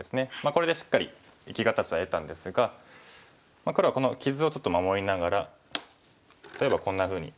これでしっかり生き形は得たんですが黒はこの傷をちょっと守りながら例えばこんなふうに。